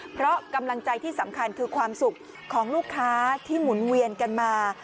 เพราะกำลังใจที่สำคัญคือความสุขของลูกค้าที่หมุนเวียนกันมา